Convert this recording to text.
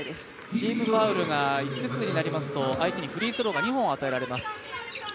チームファウルが５つになりますと相手にフリースローが２本与えられます。